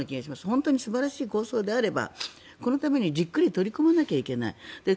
本当に素晴らしい構想であればこのためにじっくり取り組まなきゃいけない。